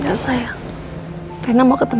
karena ada jutaanask ederim